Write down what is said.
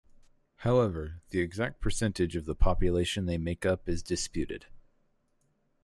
However, the exact percentage of the population they make up is disputed.